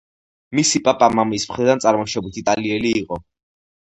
მისი პაპა მამის მხრიდან წარმოშობით იტალიელი იყო.